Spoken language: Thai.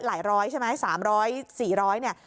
หลายร้อยใช่ไหมสามร้อยสี่ร้อยเนี่ย